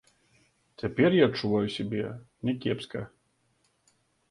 Цяпер я адчуваю сябе някепска.